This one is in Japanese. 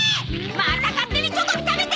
また勝手にチョコビ食べて！